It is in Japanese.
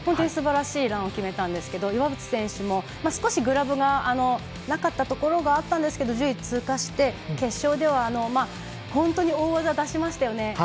すばらしいランを決めたんですが岩渕選手も少しグラブがなかったところがあったんですが１０位通過して決勝では本当に大技を出しましたよね。